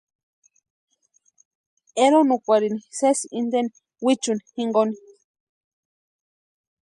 Eronukwarhini sési inte wichuni jinkoni.